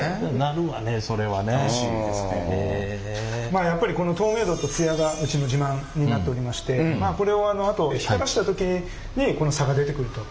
まあやっぱりこの透明度とツヤがうちの自慢になっておりましてこれをあと光らした時にこの差が出てくると。